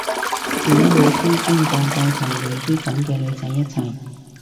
點會紓尊降貴同你啲噉嘅女仔一齊？